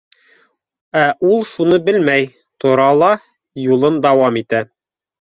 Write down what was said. Ә ул шуны белмәй, тора ла, юлын дауам итә.